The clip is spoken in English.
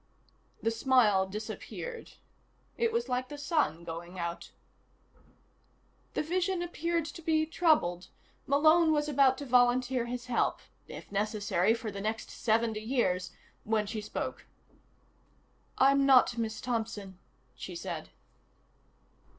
The smile disappeared. It was like the sun going out. The vision appeared to be troubled. Malone was about to volunteer his help if necessary, for the next seventy years when she spoke. "I'm not Miss Thompson," she said.